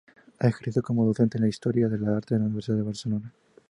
Ha ejercido como docente de Historia del Arte en la Universidad de Barcelona.